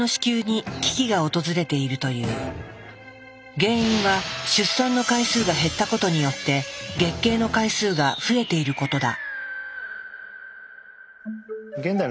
原因は出産の回数が減ったことによって月経の回数が増えていることだ。